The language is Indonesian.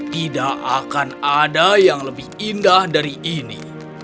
tidak akan ada yang lebih indah dari ini